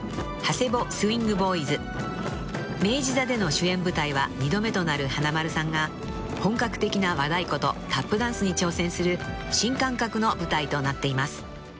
［明治座での主演舞台は２度目となる華丸さんが本格的な和太鼓とタップダンスに挑戦する新感覚の舞台となっています］